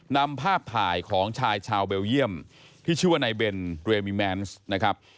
นำภาพถ่ายของชายชาวเบลเยี่ยมที่ชื่อว่านายเบนเรมิแมนซ์นะครับ